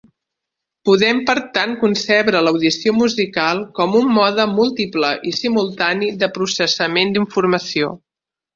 Podem per tant concebre l'audició musical com un mode múltiple i simultani de processament d'informació.